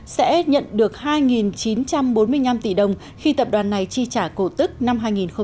sẽ nhận được hai chín trăm bốn mươi năm tỷ đồng khi tập đoàn này chi trả cổ tức năm hai nghìn một mươi